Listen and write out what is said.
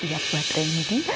udah siap buat ren ini